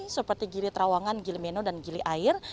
seperti gili terawangan gili meno dan gili air